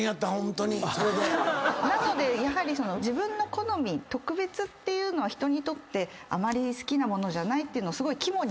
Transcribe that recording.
なのでやはり自分の好み特別っていうのは人にとってあまり好きなものじゃないっていうのをすごい肝に銘じて。